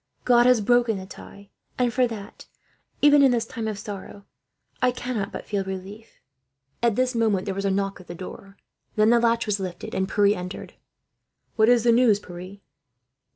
God has broken the tie, and for that, even in this time of sorrow, I cannot but feel relief." At this moment there was a knock at the door. Then the latch was lifted, and Pierre entered. "What is the news, Pierre?"